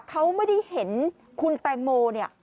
เขาไม่ได้เห็นคุณแต่งโมพลัดตลกน้ำแหละ